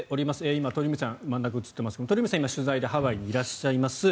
今、鳥海さんが真ん中に映っていますが鳥海さん、今取材でハワイにいらっしゃいます。